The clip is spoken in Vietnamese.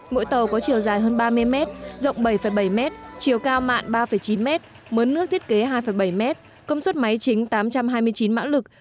mỗi tàu có chiều dài hơn ba mươi mét rộng bảy bảy mét chiều cao mặn ba chín mét mớn nước thiết kế hai bảy mét công suất máy chính tám trăm hai mươi chín mã lực